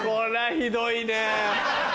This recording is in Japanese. ひどいねぇ。